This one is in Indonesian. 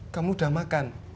kamu udah makan